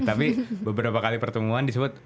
tapi beberapa kali pertemuan disebut